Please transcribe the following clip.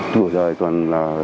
tuổi đời toàn là